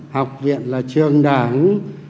học viện là trường đảng